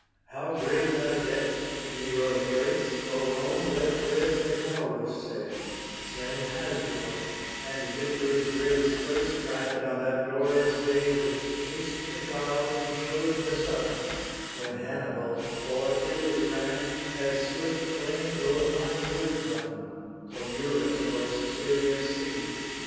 How great thy debt to Nero's race, O Rome, let red Metaurus say, Slain Hasdrubal, and victory's grace First granted on that glorious day Which chased the clouds, and show'd the sun, When Hannibal o'er Italy Ran, as swift flames o'er pine woods run, Or Eurus o'er Sicilia's sea.